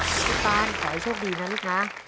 ลูกตาลขอให้โชคดีนะลูกค้า